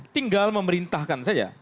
tinggal memerintahkan saja